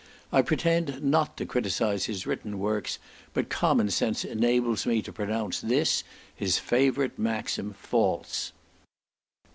I pretend not to criticise his written works, but commonsense enables me to pronounce this, his favourite maxim, false.